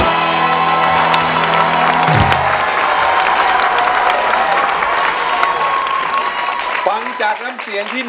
ทั้งในเรื่องของการทำงานเคยทำนานแล้วเกิดปัญหาน้อย